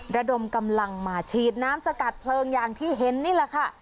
ระดมกำลังมาฉีดน้ำสกัดเพลิงอย่างที่เห็นนี่แหละค่ะ